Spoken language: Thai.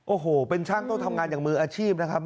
โอ้โหเป็นช่างต้องทำงานอย่างมืออาชีพนะครับ